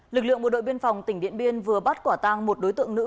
lực lượng bộ đội biên phòng tỉnh điện biên vừa bắt quả tang một đối tượng nữ